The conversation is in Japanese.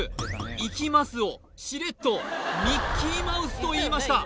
「いきます」をしれっと「ミッキーマウス」と言いました